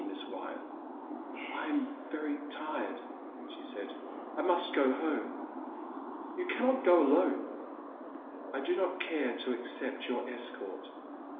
Miss Wyeth ?" I am very tired,'* she said, *' I must go home.'* You cannot go alone.'* I do not care to accept your escort."